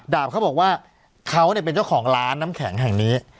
ดาบเขาบอกว่าเขาเป็นเจ้าของร้านน้ำแข็งแห่งนี้